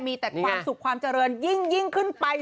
มีแต่ความสุขความเจริญยิ่งขึ้นไป